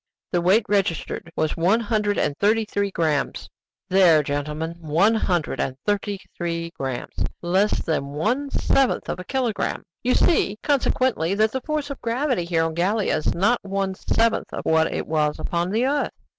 The weight registered was one hundred and thirty three grammes. "There, gentlemen, one hundred and thirty three grammes! Less than one seventh of a kilogramme! You see, consequently, that the force of gravity here on Gallia is not one seventh of what it is upon the earth!"